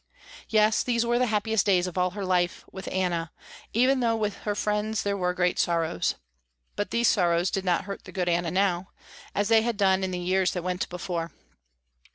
Yes these were the happiest days of all her life with Anna, even though with her friends there were great sorrows. But these sorrows did not hurt the good Anna now, as they had done in the years that went before.